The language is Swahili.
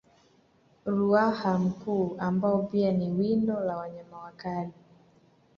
Ruaha mkuu ambao pia ni windo la wanyama wakali